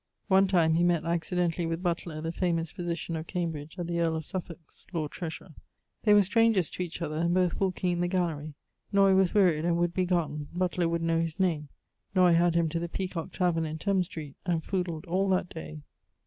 One time he mett accidentally with Butler, the famous physitian of Cambridge, at the earle of Suffolke's (Lord Treasurer). They were strangers to each other, and both walking in the gallerie. Noy was wearied, and would be gonne. Butler would know his name. Noy had him to the Peacock Taverne in Thames Street, and fudled all that day.